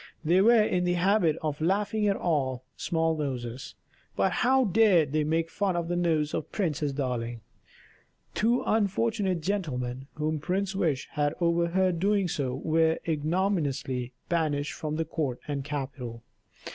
They were in the habit of laughing at all small noses; but how dared they make fun of the nose of Princess Darling? Two unfortunate gentlemen, whom Prince Wish had overheard doing so, were ignominiously banished from the court and capital.